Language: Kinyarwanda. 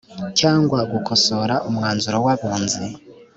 cyangwa gukosora umwanzuro w’abunzi